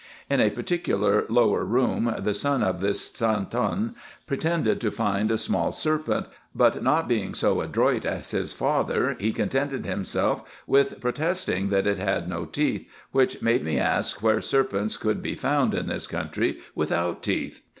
In a particular lower room the son of this Santon pretended to find a small serpent, but not being so adroit as his father, he contented himself with protest ing that it had no teeth, which made me ask where serpents could be found in this country without teeth.